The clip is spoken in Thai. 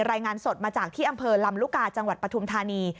รายงานสดมาจากที่อำเภอลำลูกกาจังหวัดปฐุมธานี